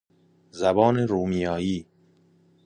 زبان رومیایی